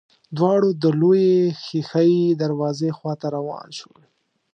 دواړه د لويې ښېښه يي دروازې خواته روان شول.